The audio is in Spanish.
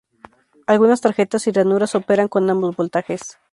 Algunas tarjetas y ranuras operan con ambos voltajes.